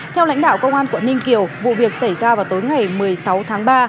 theo lãnh đạo công an quận ninh kiều vụ việc xảy ra vào tối ngày một mươi sáu tháng ba